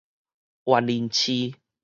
員林市